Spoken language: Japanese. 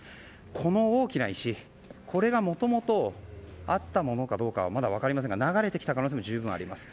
この大きな石、これがもともとあったものかどうかはまだ分かりませんが流れてきた可能性も十分あります。